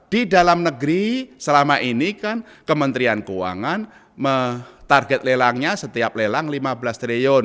di dalam negeri selama ini kan kementerian keuangan target lelangnya setiap lelang lima belas triliun